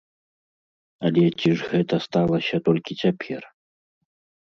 Але ці ж гэта сталася толькі цяпер?